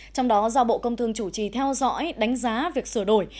trong đó giao bộ công thương chủ trì theo dõi đánh giá việc sửa đổi